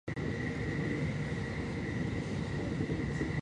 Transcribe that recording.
今日は大発会だ